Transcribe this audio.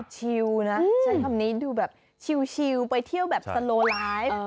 ชิลนะใช้คำนี้ดูแบบชิลไปเที่ยวแบบสโลไลฟ์